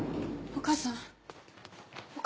お母さん！